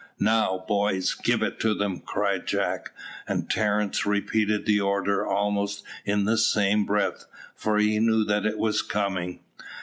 "Now, boys, give it them," cried Jack, and Terence repeated the order almost in the same breath, for he knew that it was coming.